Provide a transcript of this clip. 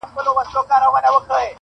حقيقت لا هم مبهم پاتې دی,